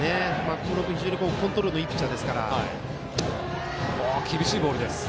小室君、非常にコントロールのいいピッチャーですからね。